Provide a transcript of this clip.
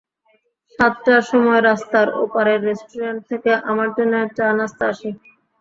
সাতটার সময় রাস্তার ওপাশের রেস্টুরেন্ট থেকে আমার জন্যে চা-নাশতা আসে।